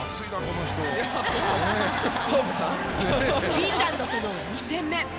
フィンランドとの２戦目。